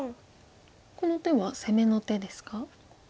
この手は攻めの手ですか？